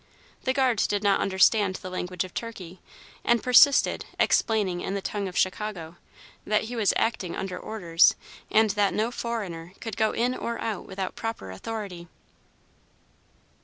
The guard did not understand the language of Turkey, and persisted, explaining, in the tongue of Chicago, that he was acting under orders, and that no "foreigner" could go in or out without proper authority.